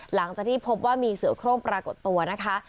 หลังจากที่พบว่ามีเสือโครงปรากฏตัวนะคะ